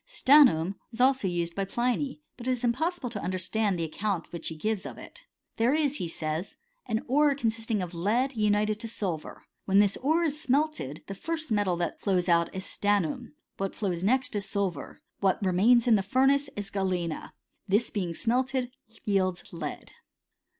StanA num is also used by Pliny; but it is impossible to understand the account which he gives of it. There is, he says, an ore consisting of lead, united to silver. Wh^n this ore is smelted, the first metal that flowt out is st annum. What flows next is silver. What remains in the furnace is galena. This being smelted^ yields lead.